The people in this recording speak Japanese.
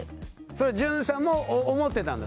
それは潤さんも思ってたんだ